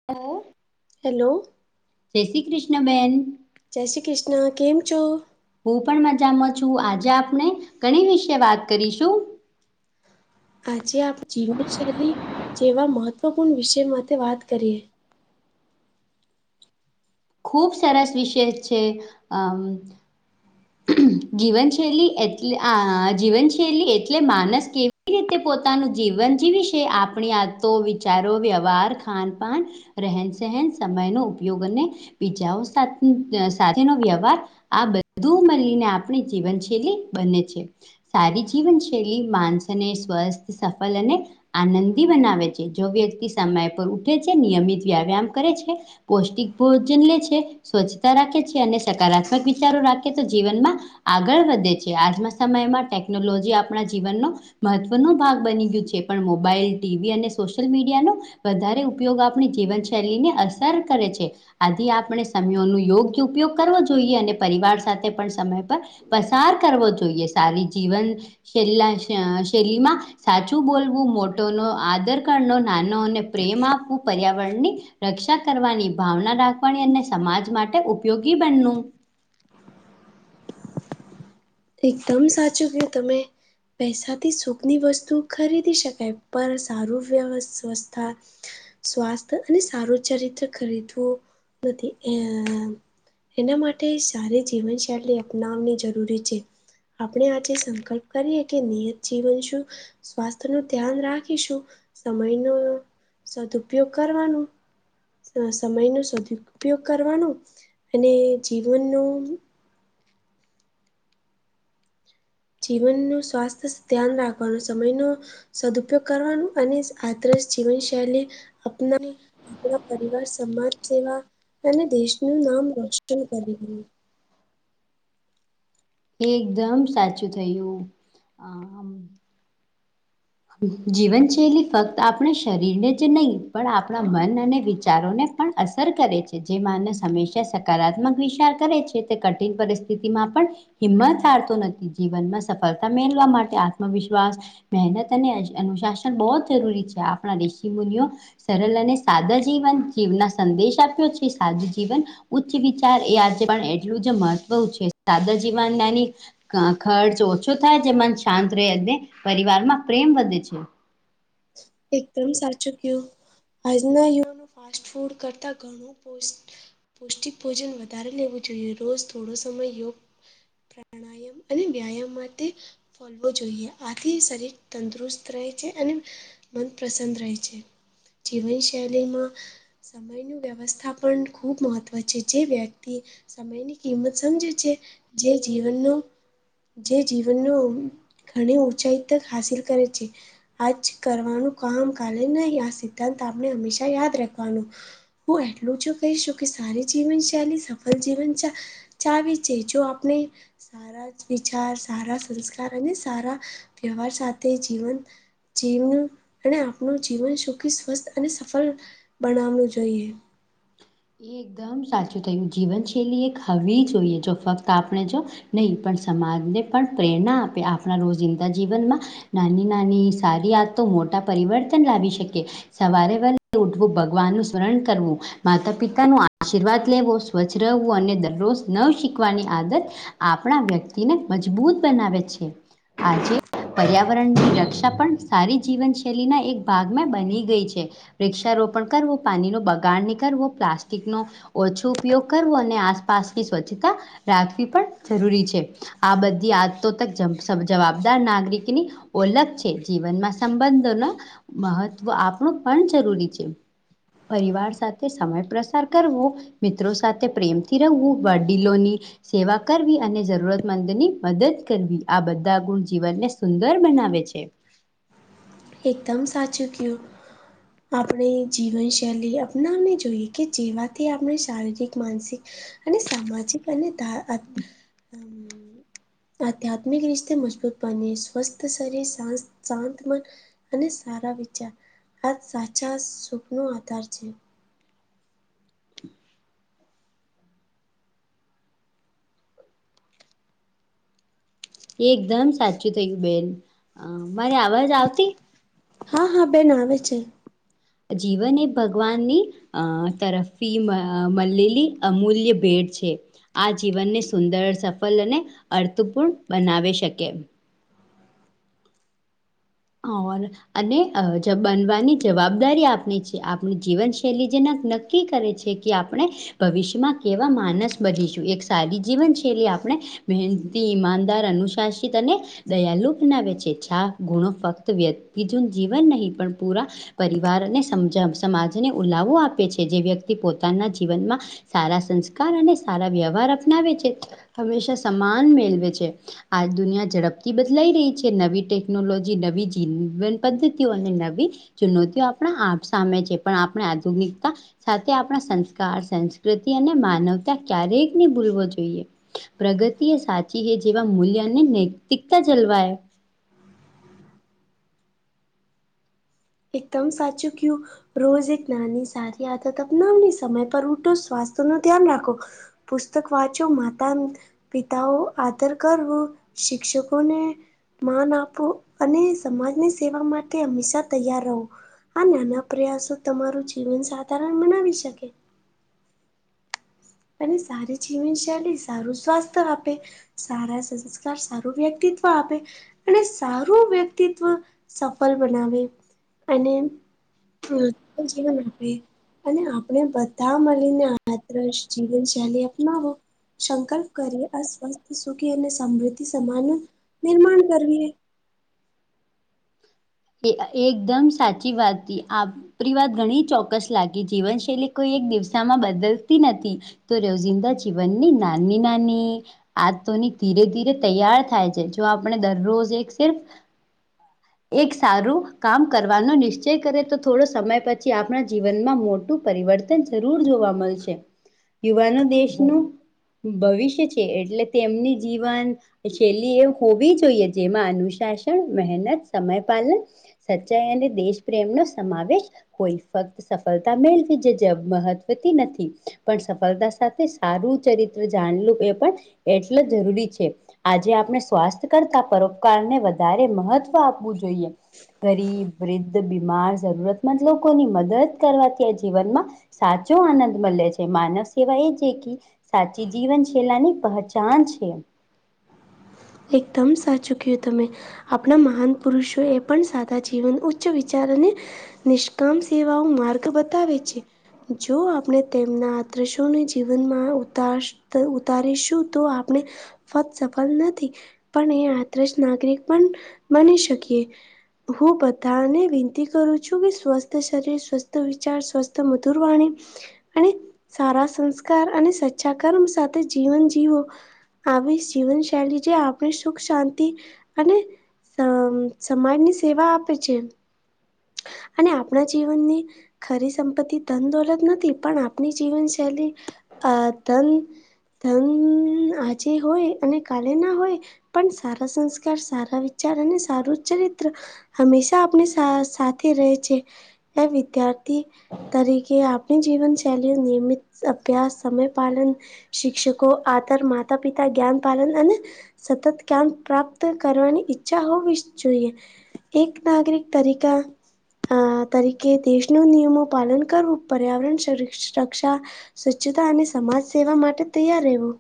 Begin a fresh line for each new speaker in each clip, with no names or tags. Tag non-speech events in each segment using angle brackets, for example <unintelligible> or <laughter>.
<inaudible>
Hello.
જય શ્રી કૃષ્ણ બેન.
જય શ્રી કૃષ્ણ કેમ છો?
હું પણ મજામાં છું આજે આપણે ઘણી વિશે વાત કરીશું.
આજે આપ જીવનશૈલી જેવા મહત્ત્વપૂર્ણ વિષય માટે વાત કરીએ.
ખૂબ સરસ વિષય છે અમ. જીવનશૈલી એટલે આ જીવનશૈલી એટલે માનસ કેવી રીતે પોતે તાનુ જીવન જીવી છે આપણી આતો વિચારો વ્યવહાર ખાનપાન રહેન સહેન સમયનો ઉપયોગ અને બીજાઓ સાથે સાથેનો વ્યવહાર આ બ વધુ મળીને આપણી જીવનશૈલી બને છે. સારી જીવનશૈલી માણસને સ્વસ્થ સફળ અને આનંદી બનાવે છે જો વ્યક્તિ સમય પર ઉઠે છે નિયમિત વ્યાયામ કરે છે. પૌષ્ટિક ભોજન લે છે સ્વચ્છતા રાખે છે અને સકારાત્મક વિચારો રાખે એતો જીવનમાં આગળ વધે છે આજના સમયમાં ટેકનોલોજી આપણા જીવનનો મહત્વનો ભાગ બની ગયું છે પણ મોબાઈલ ટીવી અને સોશિયલ મીડિયાનો વધારે ઉપયોગ આપણી જીવનશૈલીને અસર કરે છે. આજથી આપણે સમયો નો યોગ્ય ઉપયોગ કરવો. જોઈએ અને પરિવાર સાથે પણ સમય પર પસાર કરવો જોઈએ. સારી જીવન શેલ્લા શ શૈલીમાં સાચું બોલવું મોટો નો આદર કરે. નો નાનાઓને પ્રેમ આપવું પર્યાવરણની રક્ષા કરવાની ભાવના રાખવાની. અને સમાજ માટે ઉપયોગી બનનું
એકદમ સાચું કયું તમે. પૈસાથી સૂખની વસ્તુ ખરીદી શકાય. પણ સારું વ્યવસ્થા સ્વાસ્થ્ય અને સારું ચરિત્ર ખરીદવું નથી. આ એના માટે સારી જીવનશૈલી અપનાવની જરૂરી છે. આપણે આજે સંકલ્પ કરીએ. કે નિયત જીવન શું સ્વાસ્થ્ય નું ધ્યાન રાખીશું. સમય નો સદુપયોગ કરવાનું સમય નો સદ ઉપયોગ કરવાનું. અને જીવનનો જીવનનું સ્વાસ્થ્ય ધ્યાન રાખવાનો. સમયનો સદુપયોગ કરવાનું. અને આદર્શ જીવન શૈલી આપના આપણા પરિવાર સમાજ સેવા અને દેશનું નામ રોશન કરીએ.
એ એકદમ સાચું જોઈએ. અહ જીવનશૈલી ફક્ત આપણે શરીરને જ નહીં. આપણા મન અને વિચારોને પણ અસર કરે છે. જે માનસ હંમેશાં સકારાત્મક વિચાર કરે છે. તે કઠિન પરિસ્થિતિમાં પણ હિંમત હારતો નથી. જીવનમાં સફળતા મેળવા માટે આત્મવિશ્વાસ મહેનત અને અનુશાસન બહુ જરૂરી છે. આપણા ઋષિમુનિઓ સરલ અને સાદા જીવન જીવના સંદેશ આપ્યો છે. સાદું જીવન ઉચ્ચ વિચાર એ આજે પણ એટલું જ મહત્વનું છે. સાદા જીવન એની કા ખર્ચ ઓછો થાય. જે મન શાંત રહે પરિવાર માં પ્રેમ વધે છે.
એકદમ સાચું કીયુ આજના યુગમાં નું ફાસ્ટ ફૂડ કરતા ઘણું પૌષ્ટિક ભોજન વધારે લેવું જોઈએ. રોજ થોડો સમય યોગ પ્રાણાયામ અને વ્યાયામ માટે <inaudible> ફોલવો જોઈએ આથી. શરીર તંદુરસ્ત રહે છે. અને મન પ્રસન્ન રહે છે. જીવન શૈલીમાં સમયનું વ્યવસ્થા પણ ખૂબ મહત્ત્વ છે. જે વ્યક્તિ સમયની કિંમત સમજે છે. જે જીવનનો જે જીવનનો ઘણી ઊંચાઈ તક હાસિલ કરે છે. આજ કરવાનું કામ કાલે નહીં. આ સિદ્ધાંત આપણે હંમેશા યાદ રાખવાનું. હું એટલું જ કહીશું. કે સારી જીવનશૈલી સફળ જીવન ચાાવી છે. જો આપણે સારા જ વિચાર સારા સંસ્કાર અને સારા વ્યવહાર સાથે જીવંત જીવવું અને આપનું જીવન સુખી સ્વસ્થ અને સફળ બનાવવું જોઈએ.
એકદમ સાચું થયું. જીવનશૈલી એક હવી જોઈએ જો ફક્ત આપણે જો નહીં પણ સમાજને પણ પ્રેરણા આપે. આપણા રોજિંદા જીવનમાં નાની-નાની સારી આ તો મોટા પરિવર્તન લાવી શકે. સવારે વેલે ઉઠવું ભગવાન નું સ્મરણ કરવું માતા પિતા નુ આશીર્વાદ લેવો સ્વચ્છ રહેવું. અને દરરોજ નવ શીખવાની આદત આપણા વ્યક્તિને મજબૂત બનાવે છે. આજે પર્યાવરણની રક્ષા પણ સારી જીવનશૈલીના એક ભાગમાં બની ગઈ છે. વૃક્ષારોપણ કરવો, પાણી નો બગાડ નીકળવો, પ્લાસ્ટિક નો ઓછો ઉપયોગ કરવો. અને આસપાસની સ્વચ્છતા રાખવી પણ જરૂરી છે. આ બધી આદતો તો જમ સમ જવાબદાર નાગરિકની ઓલખ છે જીવનમાં સંબંધો ન મહત્વ આપણું પણ જરૂરી છે. પરિવાર સાથે સમય પ્રસાર કરવું મિત્રો સાથે પ્રેમથી રહવું વડીલોની સેવા કરવી અને જરૂરતમંદની મદદ કરવી આ બધા ગુણ જીવને સુંદર બનાવે છે.
એકદમ સાચું ક્યું આપળે જીવનશૈલી અપનાવી જોઈએ કે જેમાંથી આપણે શારીરિક માનસિક અને સામાજિક અને ધા આત
<inaudible>
આધ્યાત્મિક રિશ્તે મજબૂત બને સ્વસ્થ શરીર શાશ શાંત મન અને સારા વિચાર આ સાચા સુખ નું આધાર છે.
એકદમ સાચું <unintelligible> બેન, અ મારે અવાજ આવતી?
હા હા બેન આવે છે.
જીવન એ ભગવાની અ તરફી મ મલેલી અમૂલ્ય ભેટ છે આ જીવને સુંદર સફળ અને અર્થપૂર્ણ બનાવે શકે એમ ઓર અને અ જબાનવાની જવાબદારી આપણી છે આપણી જીવનશૈલી જેના નક્ કી કરે છે કે આપણે ભવિષ્યમાં કેવા માનસ બનીશું એક સાદી જીવનશૈલી આપણે મૈહેનતી ઈમાનદાર અનુશાસિત અને દયાલુ બનાવે છે છા ગુણો ફક્ત વ્યક્તિ જન જીવન નહીં પણ પૂરા પરિવારને સમજ સમાજને ઉલાવો આપે છે જે વ્યક્તિ પોતાના જીવનમાં સારા સંસ્કાર અને સારા વ્યવહાર અપનાવે છે હંમેશા સમાન મેલવે છે આ દુનિયા ઝડપથી બદલાઈ રય છે નવી ટેકનોલો જે નવી જીવન પદ્ધતિઓને ને નવી ચુનોતીઓ આપણા આપ સામે છે પણ આપણે આધુનિકતા સાથે આપણા સંસ્કાર સંસ્ક્રિતિ અને માનવતા ક્યારેક ની ભૂલવો જોઈએ. પ્રગતિ એ સાચી હે જેવા મૂલ્ય અને નૈતિકતા જલવાય.
એકદમ સાચું ક્યુ રોજ એક નાની સારી આદત અપનાવી સમય પર ઉટુ સ્વાસ્થ્ય નું ધ્યાન રાખો પુસ્તક વાંચો માતાનું પિતાઓ આદર કરવું શિક્ષકોને માન આપું અને સમાજની સેવા માટે હંમેશા તૈયાર રહો આ નાના પ્રયાસો તમારું જીવન સાધારણ બનાવી શકે અને સારી જીવનશૈલી સારું સ્વાસ્થ્ય આપે સારા સંસ્કાર સારું વ્યક્તિત્વ આપે અને સારું વ્યક્તિત્વ સફલ બનાવે અને હ જીવન આપે અને આપણે બધા મલીને આદશ જીવન શૈલી અપનાવો સંકલ્પ કરીએ આ સ્વસ્થ સુખી અને સમૃદ્ધિ સમાનું નિર્માણ કરવી.
એ એકદમ સાચી વાત કી આપ પરી વાત ઘણી ચોક્કસ લાગી જીવનશૈલી કોઈ એક દિવસામાં બદલતી નથી તો રોજિંદા જીવનની નાની નાની આધુનીક ધીરે ધીરે તૈયાર થાય છે જો આપણે દરરોજ એક સિર્ફ એક સારું કામ કરવાનો નિશ્ચય કરે તો થોડો સમય પછી આપણા જીવનમાં મોટું પરિવર્તન જરૂર જોવા મલશે. યુવાનો દેશનું ભવિષ્ય છે એટલે તેમની જીવન શૈલી એ હોવી જોઈએ જેમાં અનુશાસન મહેનત સમયપલન સચ્ચાઈ અને દેશ પ્રેમ નો સમાવેશ કોઈ ફક સફળતા મેળવી જે જબ મહત્વતી નથી પણ સફળતા સાથે સારું ચરિત્ર જાણલું એ પણ એટલે જરૂરી છે આજે આપણે સ્વાસ્થ્ય કરતા પરોપકારને વધારે મહત્વ તો આપવું જોઈએ. ગરીબ વૃદ્ધ બીમાર જરૂરતમંદ લોકોની મદદ કરવાથી આ જીવનમાં સાચો આનંદ મલે છે. માનવ સેવા એ છે કે ઈ સાચી જીવન શૈલાની પહચાન છે.
એકદમ સાચું ક્યું તમે. આપણા મહાન પુરુષો એ પણ સાદા જીવન ઉચ્ચ વિચાર અને નિષ્કામ સેવાઓ માર્ગ બતાવે છે. જો આપણે તેમના આદર્શોને જીવનમાં ઉતારસ ત ઉતારીશું તો આપણે ફત સફળ નથી. પણ એ આદર્શ નાગરિક પણ બની શકીએ. હું બધાને વિનંતી કરું છું કે સ્વસ્થ શરીર સ્વસ્થ વિચાર સ્વસ્થ મધુરવાણી અને સારા સંસ્કાર અને સચ્ચા કર્મ સાથે જીવન જીવો આવી જીવનશૈલી જે આપણે સુખ શાંતિ અને સ અમ્મ સમાજની સેવા આપે છે. અને આપણા જીવનની ખરી સંપત્તિ ધન દોલત નથી પણ આપણી જીવનશૈલી અહ ધન ધન આજે હોય અને કાલે ના હોય પણ સારા સંસ્કાર સારાં વિચાર અને સારું ચરિત્ર હંમેશા આપણે સાસ સાથે રહે છે એ વિદ્યાર્થી તરીકે આપણી જીવનશૈલી નિયમિત અભ્યાસ સમય પાલન શિક્ષકો આદર માતા પિતા જ્ઞાન પાલન અને સતત જ્ઞાન પ્રાપ્ત કરવાની ઈચ્છા હોવી જ જોઇએ. એક નાગરિક તરીકા આ તરીકે દેશનું નિયમો પાલન કરવું પર્યાવરણ સ રક્ષા સ્વચ્છતા અને સમાજ સેવા માટે તૈયાર રહેવું.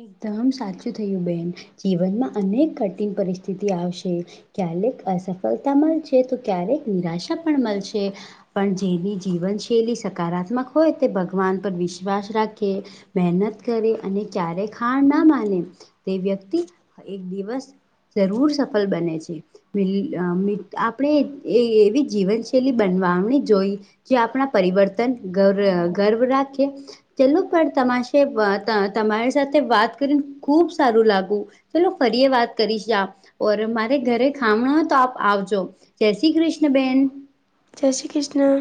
એકદમ સાચું થયું બેન. જીવનમાં અનેક કઠિન પરિસ્થિતિ આવશે ક્યારેક અસફળતા મલશે તો ક્યારેક નિરાશા પણ મલશે. પણ જેની જીવનશૈલી સકારાત્મક હોય તે ભગવાન પર વિશ્વાસ રાખે. મહેનત કરે અને ક્યારે હાર ના માને તે વ્યક્તિ એક દિવસ જરૂર સફલ બને છે. મિલ અહ મેં આપણે એ એવી જીવનશૈલી બનવાની જોઈએ જે આપણા પરિવર્તન ગર્વ ગર્વ રાખીએ જેલુ પર તમાશે વા તા તમારી સાથે વાત કરીને ખુબ સારું લાગુ ચલો ફરી વાત કરીશ આ ઓર મારે ઘરે ખામણ તો આપ આવજો. જય શ્રી કૃષ્ણ બેન.
જય શ્રી કૃષ્ણ.